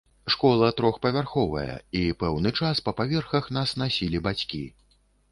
Школа трохпавярховая, і пэўны час па паверхах нас насілі бацькі.